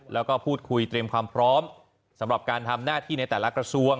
แล้วก็พูดคุยเตรียมความพร้อมสำหรับการทำหน้าที่ในแต่ละกระทรวง